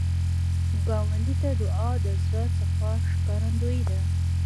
ګاونډي ته دعا، د زړه صفا ښکارندویي ده